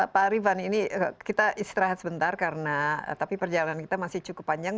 pak arifan ini kita istirahat sebentar karena tapi perjalanan kita masih cukup panjang